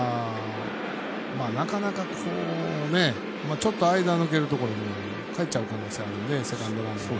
なかなかちょっと間を抜けるところかえっちゃう可能性があるのでセカンドランナーも。